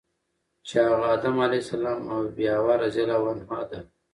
چی هغه ادم علیه السلام او بی بی حوا رضی الله عنها ده .